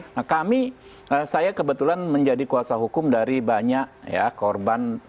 nah kami saya kebetulan menjadi kuasa hukum dari banyak ya korban